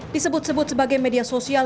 disebut sebut sebagai media sosial